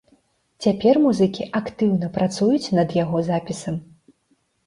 Цяпер музыкі актыўна працуюць над яго запісам.